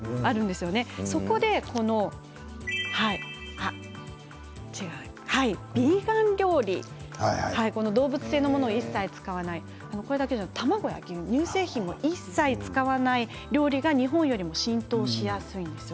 そこで、このビーガン料理動物性のものを一切使わない卵や乳製品なども一切使わない料理が日本よりも浸透しやすいんです。